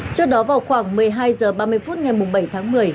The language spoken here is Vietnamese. trước đó vào khoảng một mươi hai h ba mươi phút ngày bảy tháng một mươi